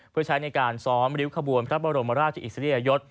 เพื่อใช้ในการซ้อมริ้วขบวนพระบรมราชอิสริยยศ